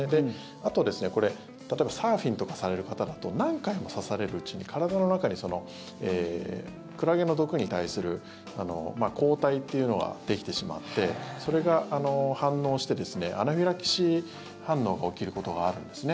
あと、例えばサーフィンとかされる方だと何回も刺されるうちに体の中にクラゲの毒に対する抗体というのができてしまってそれが反応してアナフィラキシー反応が起きることがあるんですね。